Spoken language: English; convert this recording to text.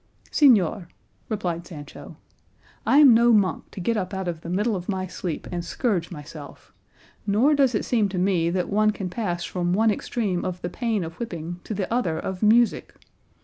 "Señor," replied Sancho, "I'm no monk to get up out of the middle of my sleep and scourge myself, nor does it seem to me that one can pass from one extreme of the pain of whipping to the other of music.